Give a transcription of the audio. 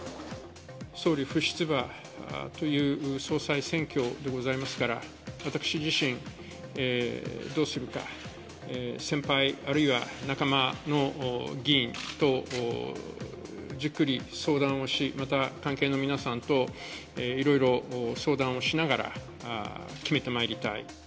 総理不出馬という総裁選挙でございますから、私自身、どうするか、先輩あるいは仲間の議員とじっくり相談をし、また関係の皆さんといろいろ相談をしながら、決めてまいりたい。